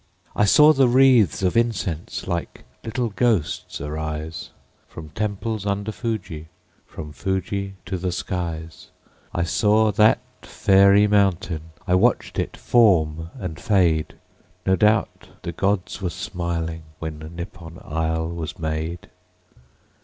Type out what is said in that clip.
I saw the wreathes of incense Like little ghosts arise, From temples under Fuji, From Fuji to the skies. I saw that fairy mountain. ... I watched it form and fade. No doubt the gods were smiling, When Nippon isle was made.